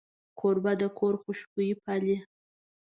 کوربه د کور خوشبويي پالي.